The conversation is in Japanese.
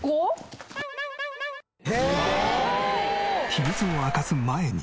秘密を明かす前に。